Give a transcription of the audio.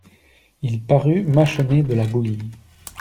Il parut mâchonner de la bouillie.